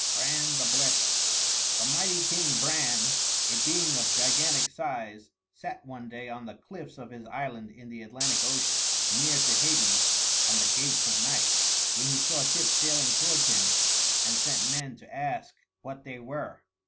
V BRAN THE BLESSED The mighty king Bran, a being of gigantic size, sat one day on the cliffs of his island in the Atlantic Ocean, near to Hades and the Gates of Night, when he saw ships sailing towards him and sent men to ask what they were.